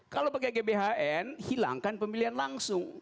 kalau pakai gbhn hilangkan pemilihan langsung